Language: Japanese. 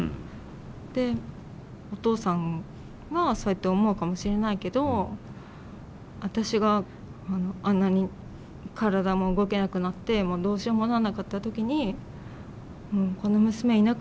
で「お父さんはそうやって思うかもしれないけど私があんなに体も動けなくなってどうしようもなんなかった時にこの娘いなくなればいいのにとかって思ったの？」